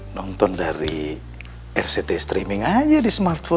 nonton dari rct streaming aja di smartphone